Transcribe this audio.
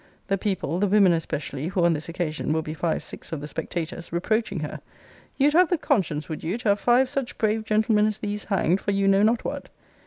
The people, the women especially, who on this occasion will be five sixths of the spectators, reproaching her You'd have the conscience, would you, to have five such brave gentlemen as these hanged for you know not what?